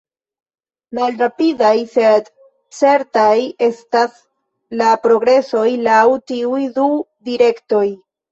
Malrapidaj, sed certaj, estas la progresoj, laŭ tiuj du direktoj.